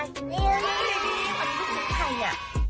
รีวิวค่ะอันนี้ลูกชิ้นใครนัี้